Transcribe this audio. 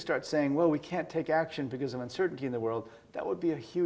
sekarang kita tidak bergerak ke arah itu